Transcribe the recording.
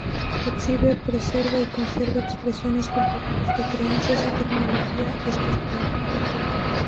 Exhibe, preserva y conserva expresiones culturales de creencias y tecnología estos pueblos.